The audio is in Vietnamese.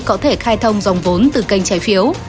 có thể khai thông dòng vốn từ kênh trái phiếu